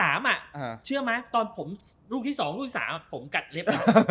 ๒๓อะเชื่อมั้ยตอนผมลูกที่๒ลูกที่๓ผมกัดเล็บ